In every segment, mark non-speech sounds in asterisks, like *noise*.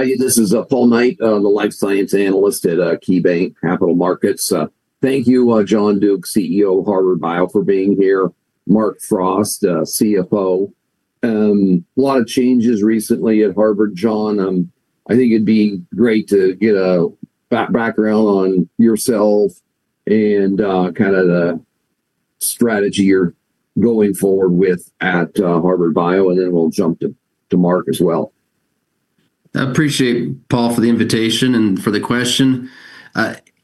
Hi, this is Paul Knight, the life science analyst at KeyBanc Capital Markets. Thank you, John Duke, CEO of Harvard Bio, for being here, Mark Frost, CFO. A lot of changes recently at Harvard, John. I think it'd be great to get a background on yourself and kind of the strategy you're going forward with at Harvard Bio, and then we'll jump to Mark as well. I appreciate, Paul, for the invitation and for the question.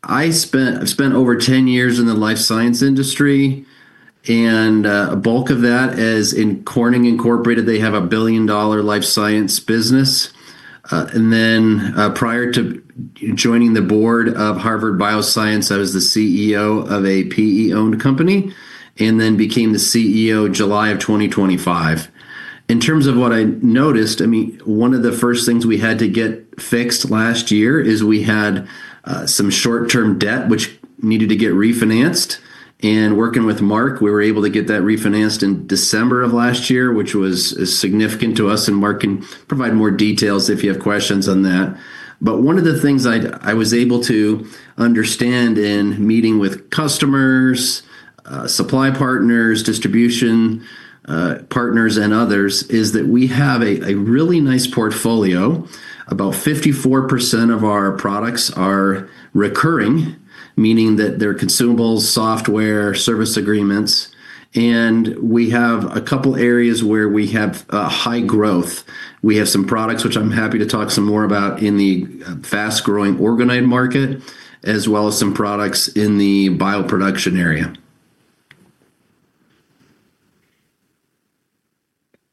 I've spent over 10 years in the life science industry, and a bulk of that is in Corning Incorporated. They have a billion-dollar life science business. Prior to joining the board of Harvard Bioscience, I was the CEO of a PE-owned company and then became the CEO in July of 2025. In terms of what I noticed, I mean, one of the first things we had to get fixed last year is we had some short-term debt which needed to get refinanced. And working with Mark, we were able to get that refinanced in December of last year, which is significant to us, and Mark can provide more details if you have questions on that. One of the things I was able to understand in meeting with customers, supply partners, distribution, partners and others, is that we have a really nice portfolio. About 54% of our products are recurring, meaning that they're consumables, software, service agreements, and we have a couple areas where we have high growth. We have some products which I'm happy to talk some more about in the fast-growing organoid market, as well as some products in the bioproduction area.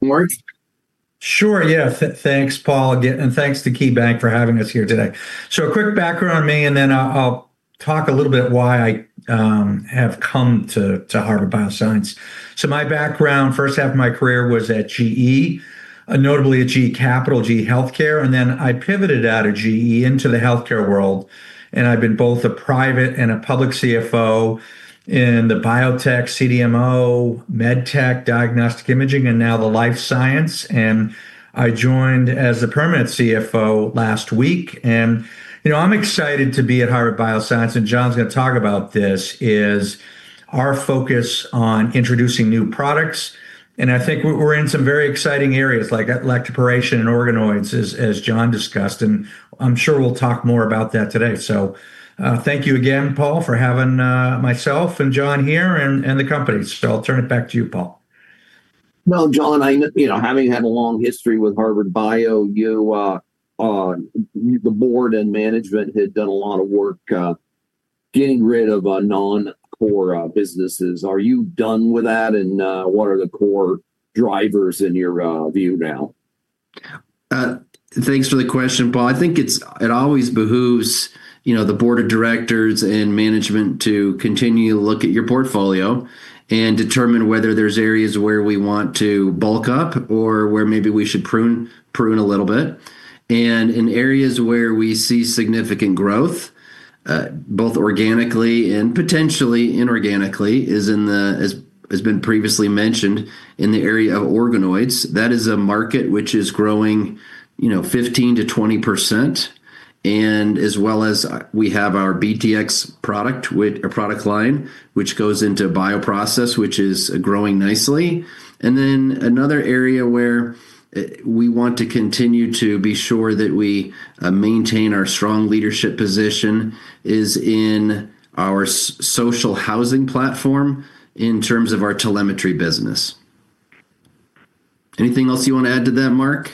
Mark? Sure. Yeah. Thanks, Paul, again, and thanks to KeyBanc for having us here today. A quick background on me, and then I'll talk a little bit why I have come to Harvard Bioscience. My background, first half of my career was at GE, notably at GE Capital, GE HealthCare, and then I pivoted out of GE into the healthcare world, and I've been both a private and a public CFO in the biotech, CDMO, med tech, diagnostic imaging, and now the life science. I joined as a permanent CFO last week. You know, I'm excited to be at Harvard Bioscience, and John's gonna talk about this, is our focus on introducing new products. I think we're in some very exciting areas like electroporation and organoids, as John discussed, and I'm sure we'll talk more about that today. Thank you again, Paul, for having myself and John here and the company. I'll turn it back to you, Paul. Well, John, you know, having had a long history with Harvard Bio, you, the board and management had done a lot of work, getting rid of non-core businesses. Are you done with that? What are the core drivers in your view now? Thanks for the question, Paul. I think it always behooves, you know, the board of directors and management to continue to look at your portfolio and determine whether there's areas where we want to bulk up or where maybe we should prune a little bit. In areas where we see significant growth, both organically and potentially inorganically, is in the as been previously mentioned, in the area of organoids. That is a market which is growing, you know, 15%-20%, and as well as, we have our BTX product with a product line which goes into bioprocess, which is growing nicely. Another area where we want to continue to be sure that we maintain our strong leadership position is in our social housing platform in terms of our telemetry business. Anything else you want to add to that, Mark?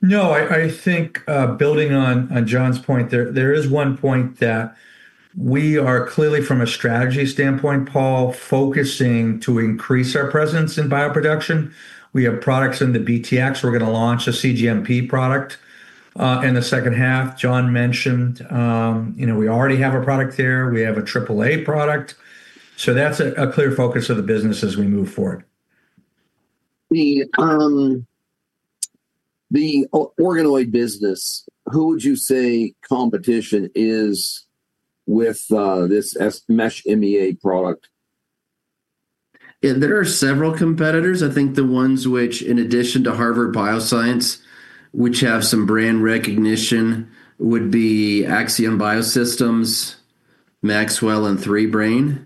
No, I think, building on John's point, there is one point that we are clearly, from a strategy standpoint, Paul, focusing to increase our presence in bioproduction. We have products in the BTX. We're gonna launch a cGMP product in the second half. John mentioned, you know, we already have a product there. We have a Tripple A AAA product. So that's a clear focus of the business as we move forward. The organoid business, who would you say competition is with, this Mesh MEA product? Yeah, there are several competitors. I think the ones which, in addition to Harvard Bioscience, which have some brand recognition, would be Axion BioSystems, MaxWell and 3Brain.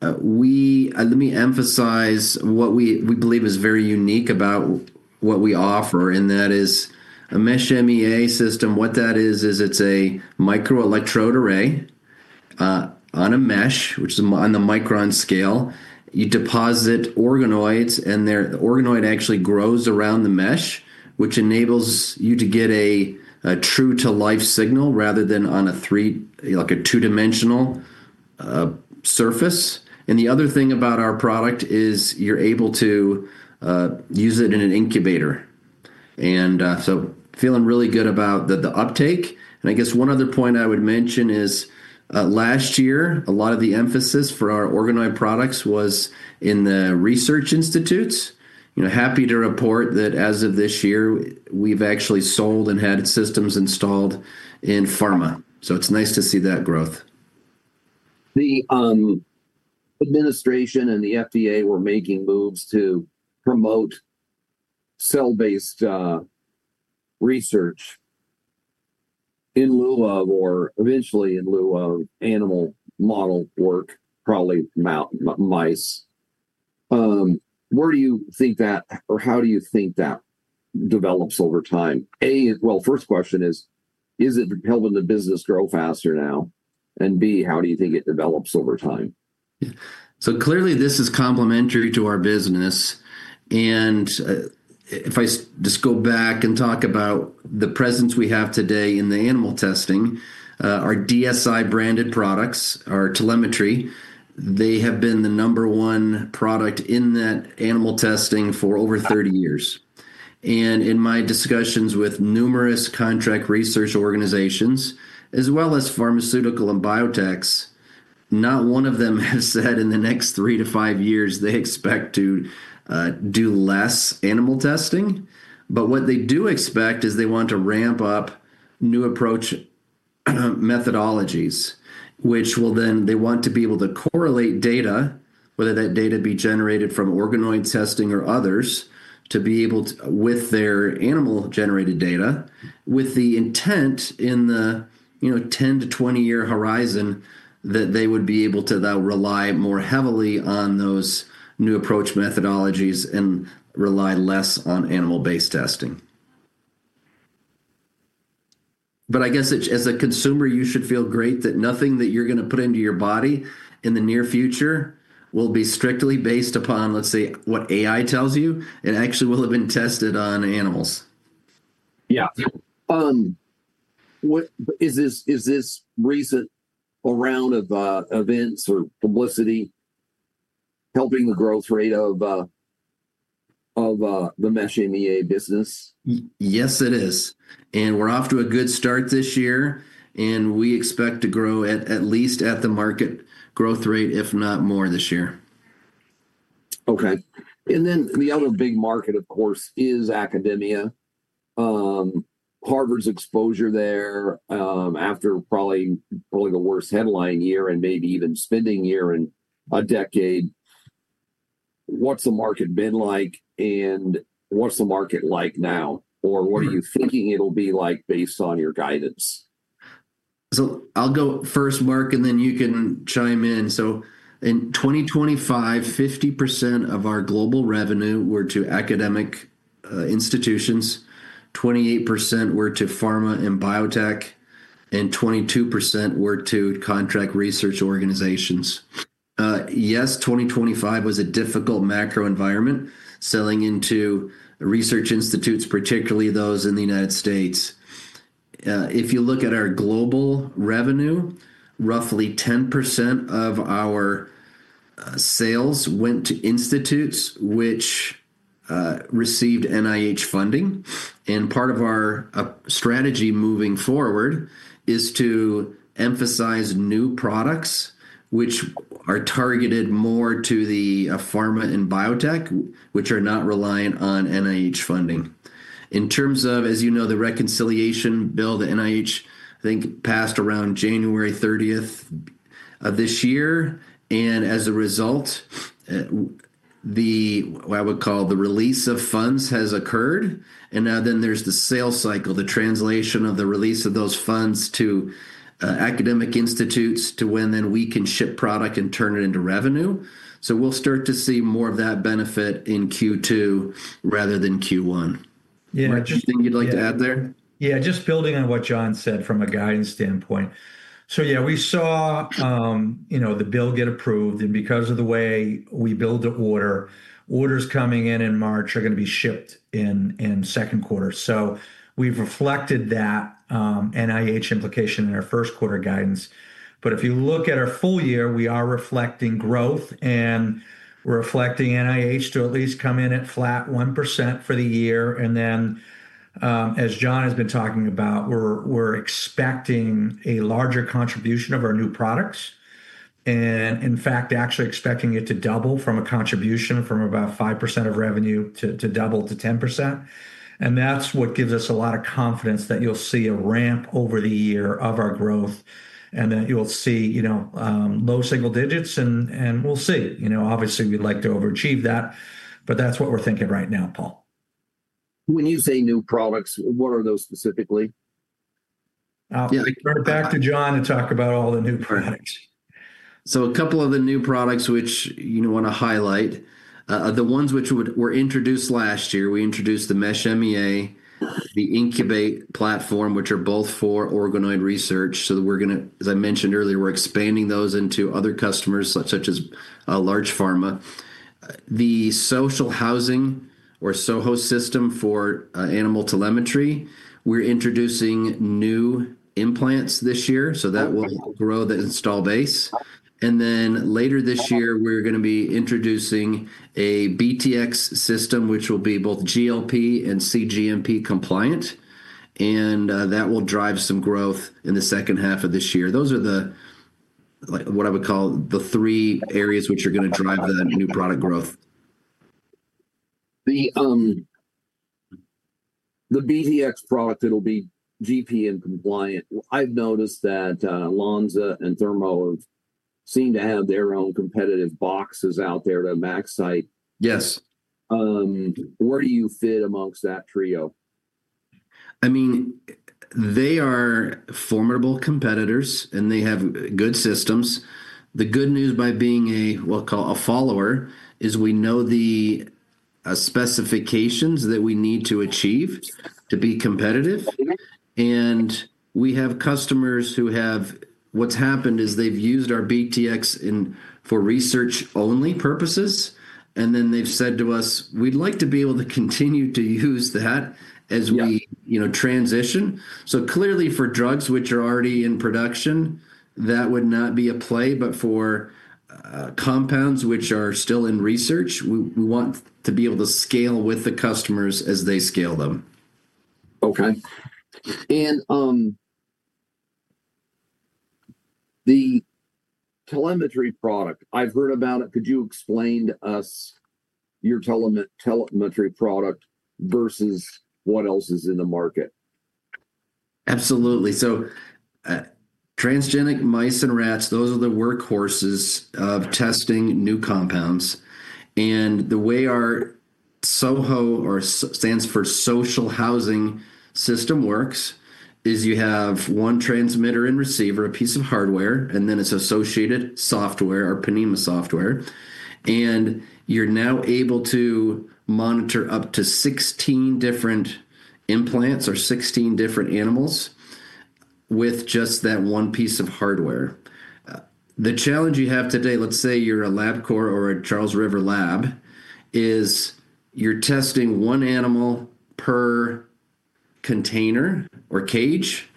Let me emphasize what we believe is very unique about what we offer, and that is a Mesh MEA system. What that is it's a microelectrode array on a mesh, which is on the micron scale. You deposit organoids, and there the organoid actually grows around the mesh, which enables you to get a true-to-life signal rather than on a three—like a two-dimensional surface. The other thing about our product is you're able to use it in an incubator. Feeling really good about the uptake. I guess one other point I would mention is, last year, a lot of the emphasis for our organoid products was in the research institutes. You know, happy to report that as of this year, we've actually sold and had systems installed in pharma. It's nice to see that growth. The administration and the FDA were making moves to promote cell-based research in lieu of, or eventually in lieu of animal model work, probably mice. Where do you think that or how do you think that develops over time? A, well, first question is it helping the business grow faster now? B, how do you think it develops over time? Clearly this is complementary to our business. If I just go back and talk about the presence we have today in the animal testing, our DSI branded products, our telemetry, they have been the number one product in that animal testing for over 30 years. In my discussions with numerous contract research organizations as well as pharmaceutical and biotechs, not one of them has said in the next three to five years they expect to do less animal testing. What they do expect is they want to ramp up new approach methodologies, which will then they want to be able to correlate data, whether that data be generated from organoid testing or others, to be able to......... With their animal generated data, with the intent in the, you know, 10 to 20-year horizon that they would be able to now rely more heavily on those New Approach Methodologies and rely less on animal-based testing. I guess as a consumer, you should feel great that nothing that you're going to put into your body in the near future will be strictly based upon, let's say, what AI tells you. It actually will have been tested on animals. Yeah. Is this recent *inaudible* the Mesh MEA business? Yes, it is. We're off to a good start this year, and we expect to grow at least at the market growth rate, if not more this year. Okay. The other big market, of course, is academia. Harvard's exposure there, after probably the worst headline year and maybe even spending year in a decade. What's the market been like, and what's the market like now? Or what are you thinking it'll be like based on your guidance? I'll go first, Mark, and then you can chime in. In 2025, 50% of our global revenue were to academic institutions, 28% were to pharma and biotech, and 22% were to contract research organizations. Yes, 2025 was a difficult macro environment selling into research institutes, particularly those in the United States. If you look at our global revenue, roughly 10% of our sales went to institutes which received NIH funding. Part of our strategy moving forward is to emphasize new products which are targeted more to the pharma and biotech, which are not reliant on NIH funding. In terms of, as you know, the reconciliation bill, the NIH, I think, passed around January 30th of this year, and as a result, the, what I would call the release of funds has occurred. Now then there's the sales cycle, the translation of the release of those funds to academic institutes to when then we can ship product and turn it into revenue. We'll start to see more of that benefit in Q2 rather than Q1. Yeah. Mark, anything you'd like to add there? Yeah. Just building on what John said from a guidance standpoint. Yeah, we saw, you know, the bill get approved, and because of the way we build the order, orders coming in in March are going to be shipped in second quarter. We've reflected that, NIH implication in our first quarter guidance. If you look at our full year, we are reflecting growth and reflecting NIH to at least come in at flat 1% for the year. Then, as John has been talking about, we're expecting a larger contribution of our new products, and in fact, actually expecting it to double from a contribution from about 5% of revenue to double to 10%. That's what gives us a lot of confidence that you'll see a ramp over the year of our growth and that you'll see, you know, low single digits and we'll see. You know, obviously we'd like to overachieve that, but that's what we're thinking right now, Paul. When you say new products, what are those specifically? I'll kick it back to John to talk about all the new products. A couple of the new products which, you know, we want to highlight, are the ones which were introduced last year. We introduced the Mesh MEA, the IncuB8 platform, which are both for organoid research. We're gonna, as I mentioned earlier, we're expanding those into other customers such as large pharma. The social housing or SoHO system for animal telemetry. We're introducing new implants this year, so that will grow the install base. Then later this year, we're gonna be introducing a BTX system, which will be both GLP and cGMP compliant, and that will drive some growth in the second half of this year. Those are the, like, what I would call the three areas which are gonna drive that new product growth. The BTX product that'll be GPM compliant. I've noticed that Lonza and Thermo have seemed to have their own competitive boxes out there to MaxCyte. Yes. Where do you fit amongst that trio? I mean, they are formidable competitors, and they have good systems. The good news by being a, we'll call a follower, is we know the specifications that we need to achieve to be competitive and we have customers. What's happened is they've used our BTX in for research only purposes, and then they've said to us, "We'd like to be able to continue to use that as we.... Yeah... you know, transition." Clearly for drugs which are already in production, that would not be a play. For compounds which are still in research, we want to be able to scale with the customers as they scale them. Okay. The telemetry product, I've heard about it. Could you explain to us your telemetry product versus what else is in the market? Absolutely. Transgenic mice and rats, those are the workhorses of testing new compounds, and the way our SOHO stands for Social Housing System works is you have one transmitter and receiver, a piece of hardware, and then its associated software, our Ponemah software. You're now able to monitor up to 16 different implants or 16 different animals with just that one piece of hardware. The challenge you have today, let's say you're at Labcorp or a Charles River Lab, is you're testing one animal per container or cage,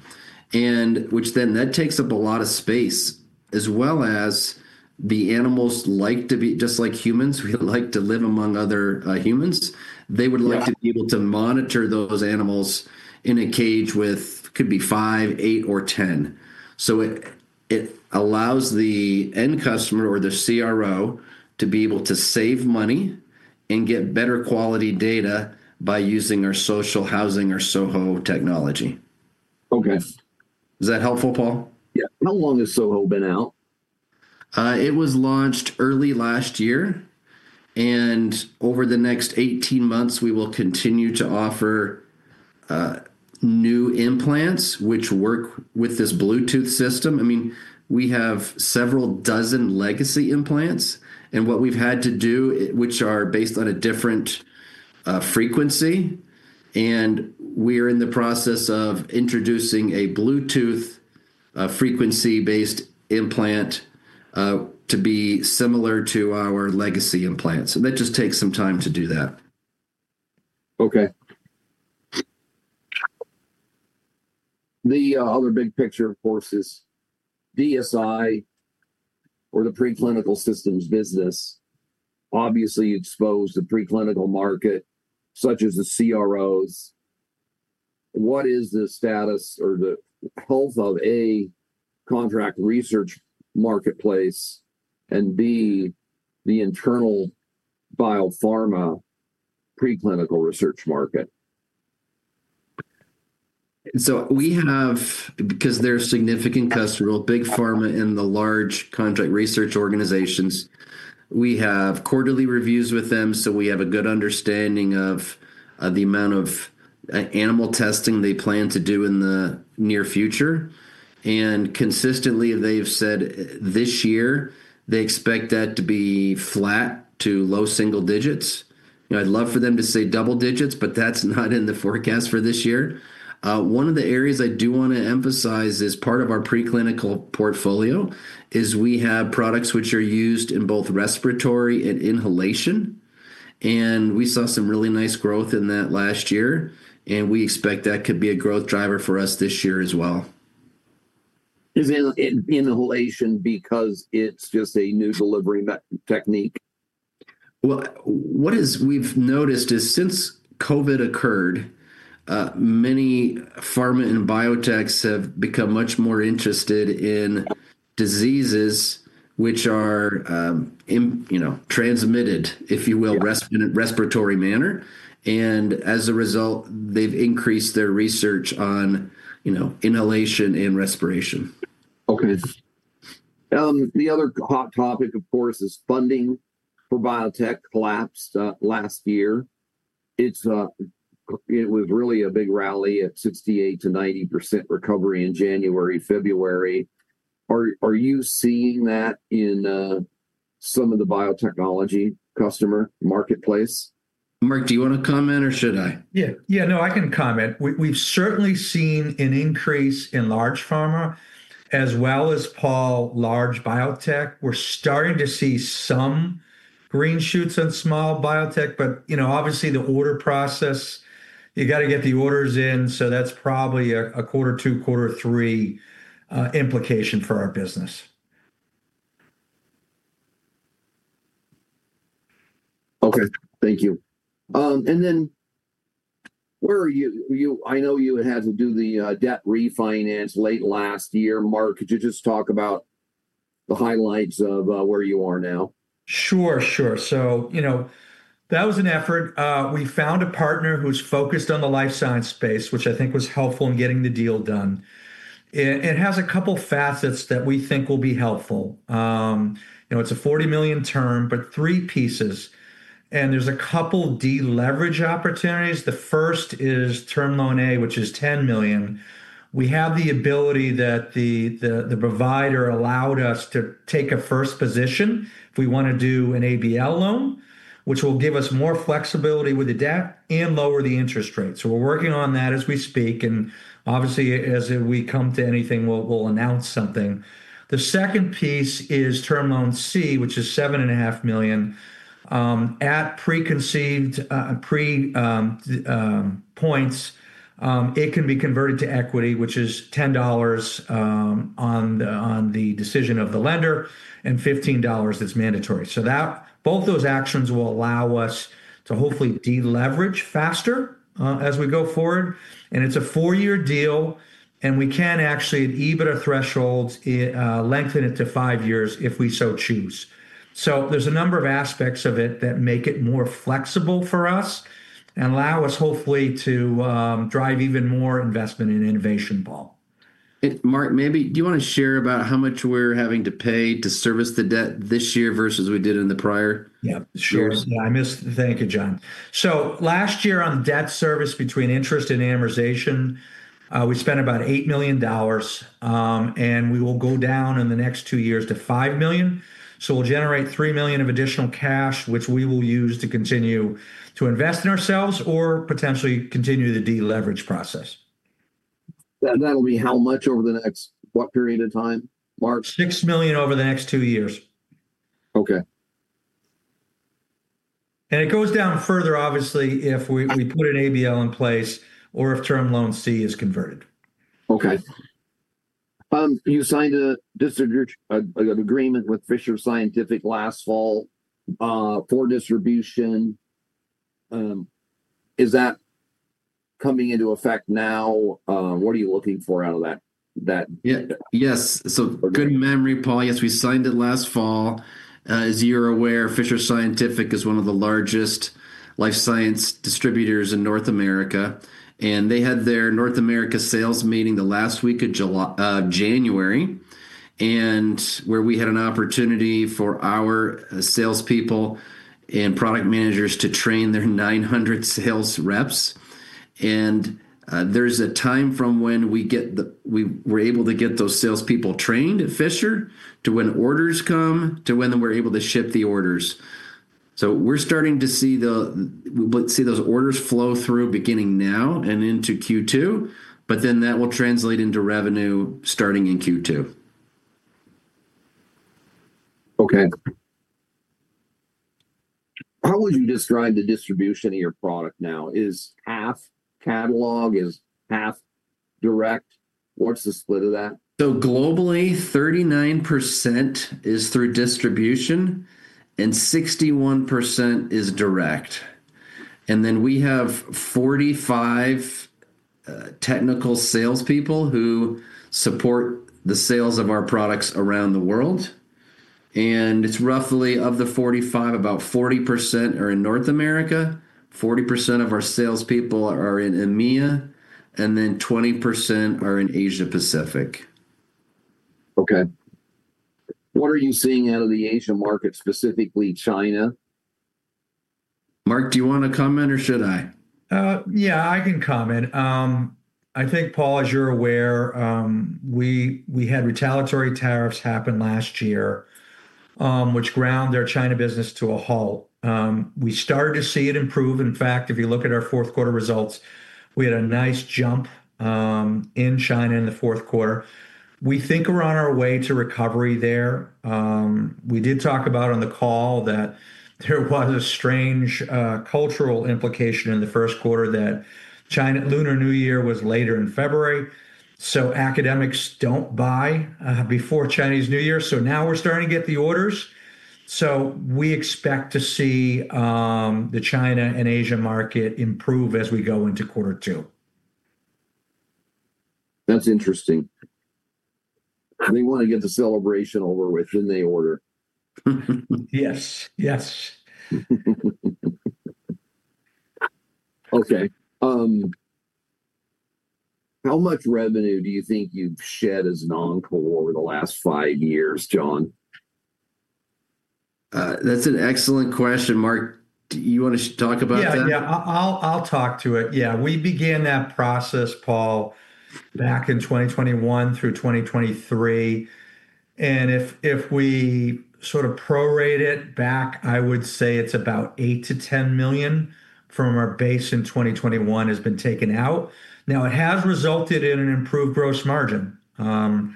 and that takes up a lot of space, as well as the animals like to be just like humans, we like to live among other humans. Yeah. They would like to be able to monitor those animals in a cage with, could be five, eight or 10. It allows the end customer or the CRO to be able to save money and get better quality data by using our Social Housing or SOHO technology. Okay. Is that helpful, Paul? Yeah. How long has SOHO been out? It was launched early last year, and over the next 18 months, we will continue to offer new implants which work with this Bluetooth system. I mean, we have several dozen legacy implants, and what we've had to do, which are based on a different frequency, and we're in the process of introducing a Bluetooth frequency-based implant to be similar to our legacy implants. That just takes some time to do that. Okay. The other big picture, of course, is DSI or the preclinical systems business obviously exposed to the preclinical market, such as the CROs. What is the status or the health of, A, contract research marketplace and, B, the internal biopharma preclinical research market? Because they're significant customer, big pharma and the large contract research organizations, we have quarterly reviews with them, so we have a good understanding of the amount of animal testing they plan to do in the near future. Consistently, they've said, this year they expect that to be flat to low single digits. You know, I'd love for them to say double digits, but that's not in the forecast for this year. One of the areas I do wanna emphasize as part of our preclinical portfolio is we have products which are used in both respiratory and inhalation, and we saw some really nice growth in that last year. We expect that could be a growth driver for us this year as well. Is it inhalation because it's just a new delivery technique? Well, what we've noticed is since COVID occurred, many pharma and biotechs have become much more interested in diseases which are, you know, transmitted, if you will.... Yeah.... In a respiratory manner. As a result, they've increased their research on, you know, inhalation and respiration. Okay. The other hot topic, of course, is funding for biotech collapsed last year. It was really a big rally at 68%-90% recovery in January, February. Are you seeing that in some of the biotechnology customer marketplace? Mark, do you wanna comment or should I? Yeah. Yeah, no, I can comment. We've certainly seen an increase in large pharma as well as, Paul, large biotech. We're starting to see some green shoots in small biotech but, you know, obviously the order process, you got to get the orders in, so that's probably a quarter two, quarter three implication for our business. Okay. Thank you. Where are you? I know you had to do the debt refinance late last year. Mark, could you just talk about the highlights of where you are now? Sure. You know, that was an effort. We found a partner who's focused on the life science space, which I think was helpful in getting the deal done. It has a couple facets that we think will be helpful. You know, it's a $40 million term, but three pieces, and there's a couple deleverage opportunities. The first is Term Loan A, which is $10 million. We have the ability that the provider allowed us to take a first position if we want to do an ABL loan, which will give us more flexibility with the debt and lower the interest rate. We're working on that as we speak, and obviously, as we come to anything, we'll announce something. The second piece is Term Loan C, which is $7.5 million, *inaudible* points, it can be converted to equity, which is $10 on the decision of the lender and $15 that's mandatory. That both those actions will allow us to hopefully deleverage faster, as we go forward. It's a four-year deal, and we can actually, at EBITDA thresholds, lengthen it to five years if we so choose. There's a number of aspects of it that make it more flexible for us and allow us hopefully to drive even more investment in innovation, Paul. Mark, maybe do you wanna share about how much we're having to pay to service the debt this year versus we did in the prior years? Yeah, sure. Thank you, John. Last year on debt service between interest and amortization, we spent about $8 million, and we will go down in the next two years to $5 million. We'll generate $3 million of additional cash, which we will use to continue to invest in ourselves or potentially continue the deleverage process. That'll be how much over the next what period of time, Mark? $6 million over the next two years. Okay. It goes down further, obviously, if we put an ABL in place or if Term Loan C is converted. Okay. You signed an agreement with Fisher Scientific last fall for distribution. Is that coming into effect now? What are you looking for out of that? Yeah. Yes. Good memory, Paul. Yes, we signed it last fall. As you're aware, Fisher Scientific is one of the largest life science distributors in North America, and they had their North America sales meeting the last week of January, where we had an opportunity for our salespeople and product managers to train their 900 sales reps. There's a time from when we're able to get those salespeople trained at Fisher to when orders come to when we're able to ship the orders. We're starting to see the we'll see those orders flow through beginning now and into Q2, but then that will translate into revenue starting in Q2. Okay. How would you describe the distribution of your product now? Is half catalog, is half direct? What's the split of that? Globally, 39% is through distribution and 61% is direct. We have 45 technical salespeople who support the sales of our products around the world, and it's roughly of the 45, about 40% are in North America, 40% of our salespeople are in EMEA, and then 20% are in Asia-Pacific. Okay. What are you seeing out of the Asian market, specifically China? Mark, do you wanna comment or should I? Yeah, I can comment. I think, Paul, as you're aware, we had retaliatory tariffs happen last year, which ground their China business to a halt. We started to see it improve. In fact, if you look at our fourth quarter results, we had a nice jump in China in the fourth quarter. We think we're on our way to recovery there. We did talk about on the call that there was a strange cultural implication in the first quarter that China's Lunar New Year was later in February, so academics don't buy before Chinese New Year. Now we're starting to get the orders. We expect to see the China and Asia market improve as we go into quarter two. That's interesting. They wanna get the celebration over with, then they order. Yes. Yes. Okay. How much revenue do you think you've shed as non-core over the last five years, John? That's an excellent question. Mark, do you wanna talk about that? Yeah. I'll talk to it. Yeah. We began that process, Paul, back in 2021 through 2023, and if we sort of prorate it back, I would say it's about $8 million-$10 million from our base in 2021 has been taken out. Now, it has resulted in an improved gross margin. I'll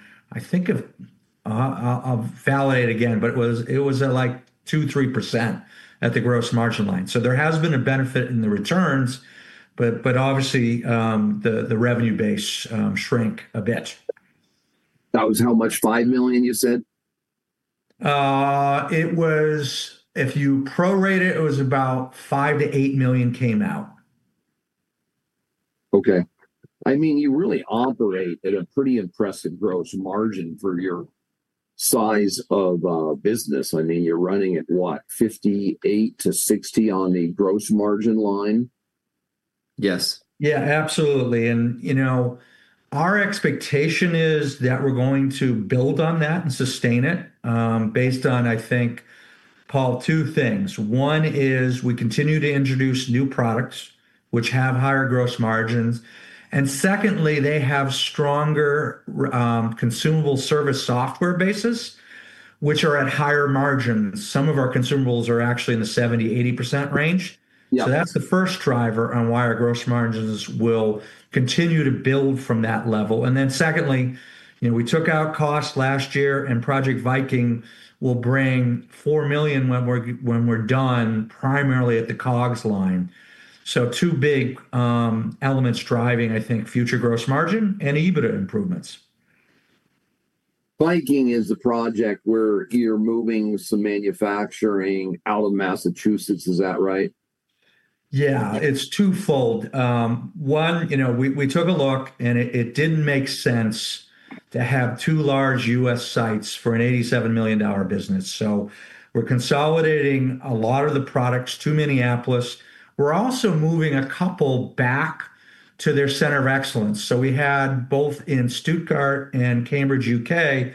validate again, but it was at, like, 2%-3% at the gross margin line. There has been a benefit in the returns, but obviously, the revenue base shrink a bit. That was how much? $5 million, you said? It was, if you prorate it was about $5 million-$8 million came out. Okay. I mean, you really operate at a pretty impressive gross margin for your size of business. I mean, you're running at, what, 58%-60% on the gross margin line? Yeah, absolutely. You know, our expectation is that we're going to build on that and sustain it, based on, I think, Paul, two things. One is we continue to introduce new products which have higher gross margins, and secondly, they have stronger consumable service software bases which are at higher margins. Some of our consumables are actually in the 70%-80% range. Yeah. That's the first driver on why our gross margins will continue to build from that level. Then secondly, you know, we took out costs last year, and Project Viking will bring $4 million when we're done, primarily at the COGS line. Two big elements driving, I think, future gross margin and EBITDA improvements. Viking is the project where you're moving some manufacturing out of Massachusetts, is that right? Yeah. It's twofold. One, you know, we took a look, and it didn't make sense to have two large U.S. sites for an $87 million business. We're consolidating a lot of the products to Minneapolis. We're also moving a couple back to their center of excellence. We had both in Stuttgart and Cambridge, U.K.,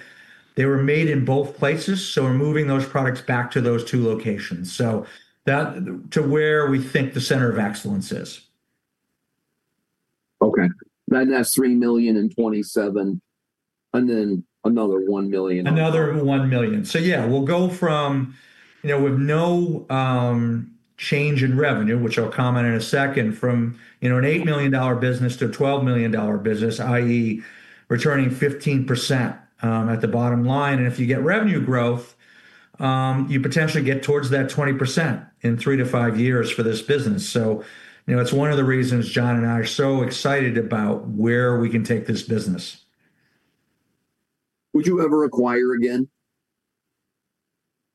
they were made in both places, so we're moving those products back to those two locations to where we think the center of excellence is. Okay. That's $3 million in 2027, and then another $1 million? Another $1 million. Yeah, we'll go from, you know, with no change in revenue, which I'll comment on in a second, an $8 million business to a $12 million business, i.e., returning 15% at the bottom line. If you get revenue growth, you potentially get towards that 20% in three to five years for this business. You know, it's one of the reasons John and I are so excited about where we can take this business. Would you ever acquire again?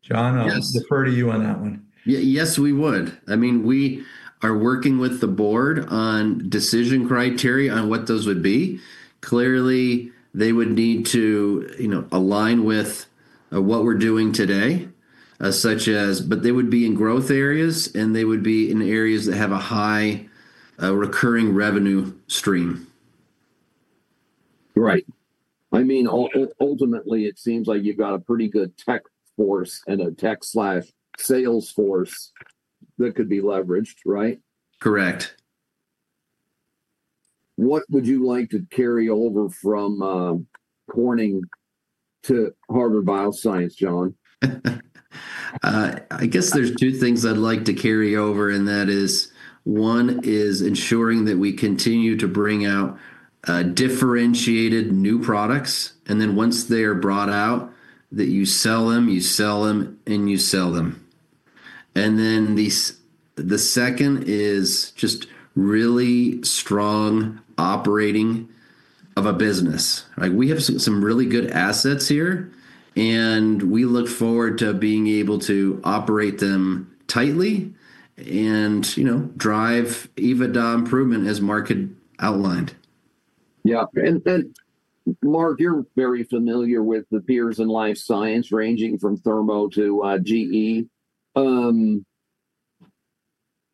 John... Yes.... I'll defer to you on that one. Yes, we would. I mean, we are working with the board on decision criteria on what those would be. Clearly, they would need to, you know, align with what we're doing today, such as. They would be in growth areas, and they would be in areas that have a high recurring revenue stream. Right. I mean, ultimately, it seems like you've got a pretty good tech force and a tech/sales force that could be leveraged, right? Correct. What would you like to carry over from Corning to Harvard Bioscience, John? I guess there's two things I'd like to carry over, and that is, one is ensuring that we continue to bring out differentiated new products, and then once they are brought out, that you sell them, you sell them, and you sell them. The second is just really strong operating of a business. Like, we have some really good assets here, and we look forward to being able to operate them tightly and, you know, drive EBITDA improvement as Mark had outlined. Mark, you're very familiar with the peers in life science, ranging from Thermo to GE. In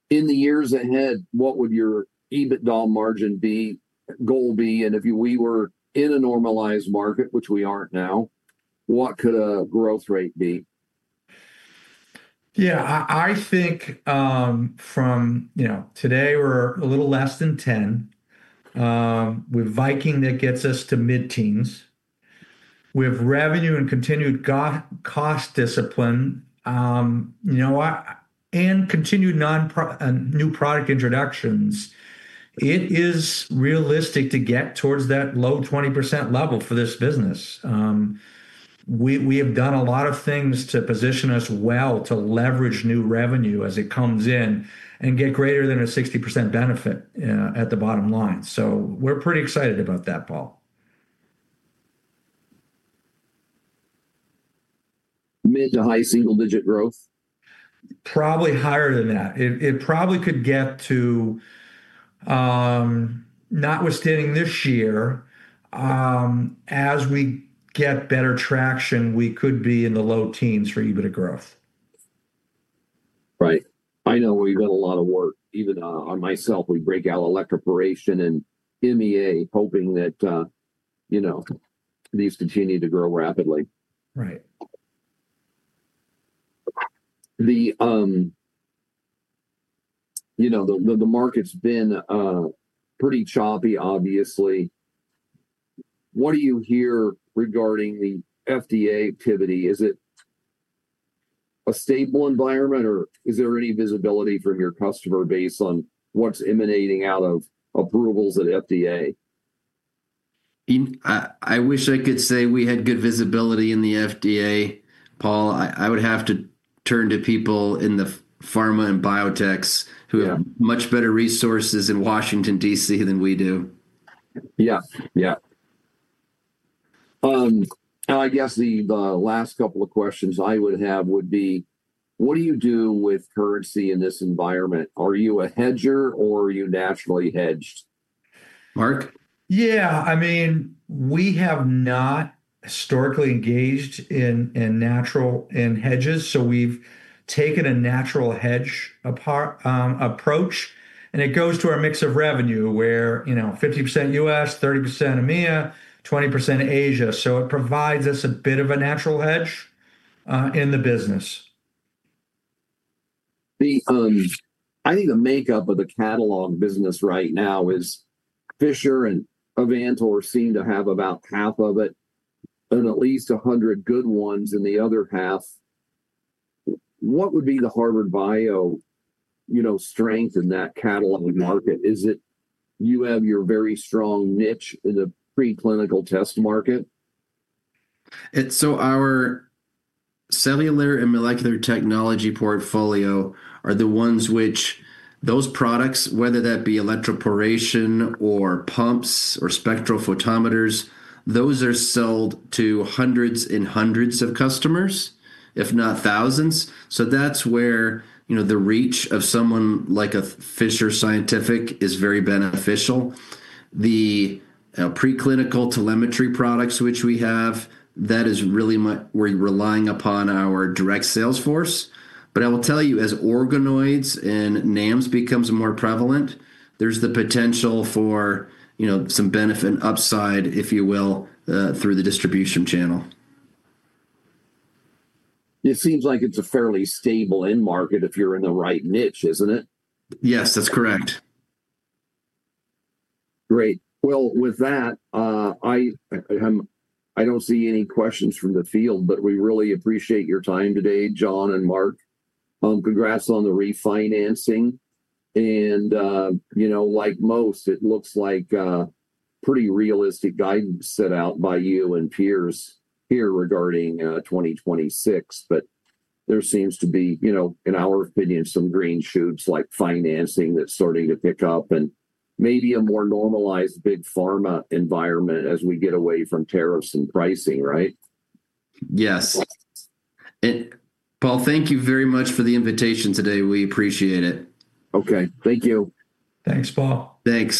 the years ahead, what would your EBITDA margin be, goal be? If we were in a normalized market, which we aren't now, what could a growth rate be? Yeah. I think from today we're a little less than 10. With Viking, that gets us to mid-teens. With revenue and continued cost discipline and continued new product introductions, it is realistic to get towards that low 20% level for this business. We have done a lot of things to position us well to leverage new revenue as it comes in and get greater than a 60% benefit at the bottom line. We're pretty excited about that, Paul. Mid- to high single-digit growth? Probably higher than that. It probably could get to, notwithstanding this year, as we get better traction, we could be in the low teens for EBITDA growth. Right. I know we've done a lot of work, even on myself. We break out electroporation and MEA hoping that, you know, these continue to grow rapidly. Right. You know, the market's been pretty choppy obviously. What do you hear regarding the FDA activity? Is it a stable environment, or is there any visibility from your customer base on what's emanating out of approvals at FDA? I wish I could say we had good visibility in the FDA, Paul. I would have to turn to people in the pharma and biotechs.... Yeah.... Who have much better resources in Washington, D.C., than we do. Yeah. I guess the last couple of questions I would have would be what do you do with currency in this environment? Are you a hedger or are you naturally hedged? Mark? Yeah. I mean, we have not historically engaged in natural, in hedges, so we've taken a natural hedge approach. It goes to our mix of revenue where, you know, 50% U.S., 30% EMEA, 20% Asia. It provides us a bit of a natural hedge in the business. I think the makeup of the catalog business right now is Fisher and Avantor seem to have about half of it, and at least 100 good ones in the other half. What would be the Harvard Bio, you know, strength in that catalog market? Is it you have your very strong niche in the preclinical test market? Our cellular and molecular technology portfolio are the ones which those products, whether that be electroporation, or pumps, or spectrophotometers, those are sold to hundreds and hundreds of customers, if not thousands. That's where, you know, the reach of someone like Fisher Scientific is very beneficial. The preclinical telemetry products which we have, that is really where we're relying upon our direct sales force. I will tell you, as organoids and NAMs becomes more prevalent, there's the potential for, you know, some benefit upside, if you will, through the distribution channel. It seems like it's a fairly stable end market if you're in the right niche, isn't it? Yes, that's correct. Great. Well, with that, I don't see any questions from the field, but we really appreciate your time today, John and Mark. Congrats on the refinancing and, you know, like most, it looks like, pretty realistic guidance set out by you and peers here regarding, 2026. There seems to be, you know, in our opinion, some green shoots like financing that's starting to pick up and maybe a more normalized big pharma environment as we get away from tariffs and pricing, right? Yes. Paul, thank you very much for the invitation today. We appreciate it. Okay. Thank you. Thanks, Paul. Thanks.